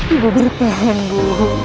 ibu bertahan bu